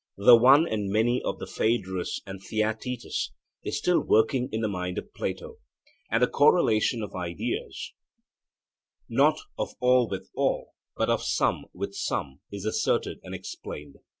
The one and many of the Phaedrus and Theaetetus is still working in the mind of Plato, and the correlation of ideas, not of 'all with all,' but of 'some with some,' is asserted and explained.